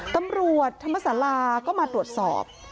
ตำรวจธรรมศาลาก็มาตรวจสอบ